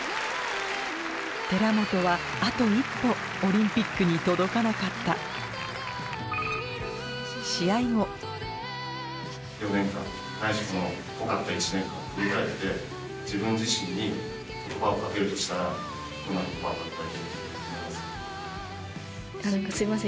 寺本はあと一歩オリンピックに届かなかった何かすいません